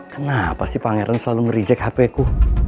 kenapa sih pangeran selalu ngerijek hp ku